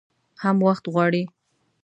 هم وخت غواړي .